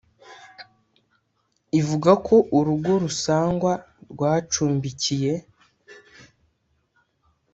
ivugako urugo rusangwa rwacumbikiye